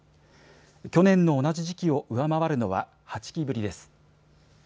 去年の同じ時期を上回るのは８期ぶりです。